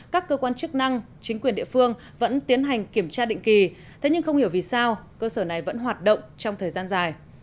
các cơ quan chức năng chính quyền địa phương vẫn tiến hành kiểm tra định kỳ thế nhưng không hiểu vì sao cơ sở này vẫn hoạt động trong thời gian dài